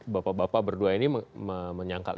bapak bapak berdua ini menyangkal